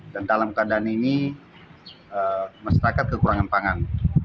dan dalam keadaan ini masyarakat kekurangan pangan